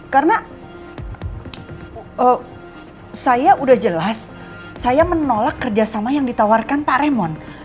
karena saya sudah jelas saya menolak kerjasama yang ditawarkan pak remon